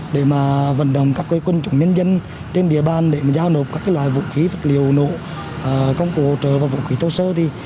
để vận động các quê quân chủng nhân dân trên địa bàn để giao nộp các loại vũ khí vật liệu nộ công cụ hỗ trợ và vũ khí thô sơ